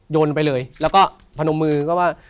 นไปเลยแล้วก็พนมมือก็ว่า